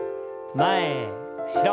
前後ろ。